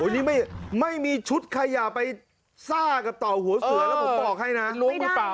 นี่ไม่มีชุดขยะไปซ่ากับต่อหัวเสือแล้วผมบอกให้นะ